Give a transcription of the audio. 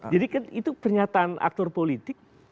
jadi kan itu pernyataan aktor politik